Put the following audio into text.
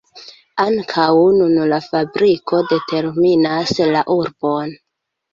Ankaŭ nun la fabriko determinas la urbon.